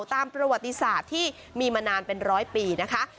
ตามประวัติศาสตร์ที่มีมานานเป็นร้อยปีนะคะ